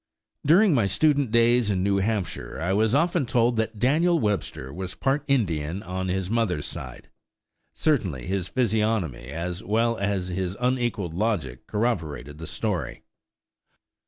During my student days in New Hampshire I was often told that Daniel Webster was part Indian on his mother's side. Certainly his physiognomy as well as his unequalled logic corroborated the story.